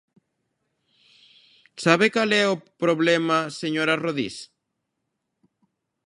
¿Sabe cal é o problema, señora Rodís?